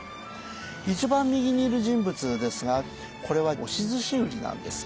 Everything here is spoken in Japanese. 一番右にいる人物ですがこれは押し寿司売りなんです。